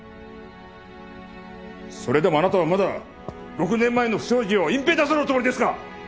それでもあなたはまだ６年前の不祥事を隠蔽なさるおつもりですか？